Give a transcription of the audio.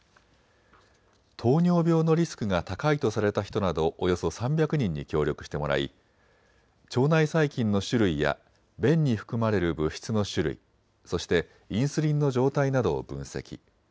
糖尿病のリスクが高いとされた人などおよそ３００人に協力してもらい腸内細菌の種類や便に含まれる物質の種類、そしてインスリンの状態などを分析。